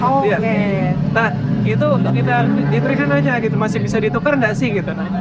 nah itu untuk kita diberikan aja gitu masih bisa ditukar nggak sih gitu